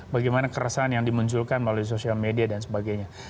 bagaimana keresahan yang dimunculkan melalui sosial media dan sebagainya